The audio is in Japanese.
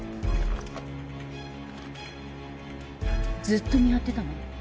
ずっと見張ってたの？